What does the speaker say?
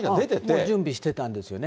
もう準備してたんですよね。